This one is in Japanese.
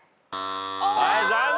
はい残念！